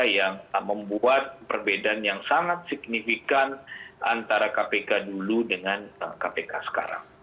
yang membuat perbedaan yang sangat signifikan antara kpk dulu dengan kpk sekarang